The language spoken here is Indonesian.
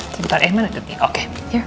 sebentar emma oke